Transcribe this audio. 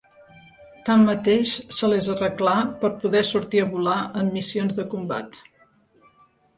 Tanmateix, se les arreglà per poder sortir a volar en missions de combat.